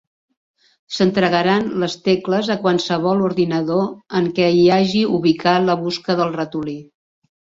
S'entregaran les tecles a qualsevol ordinador en què hi hagi ubicat la busca del ratolí.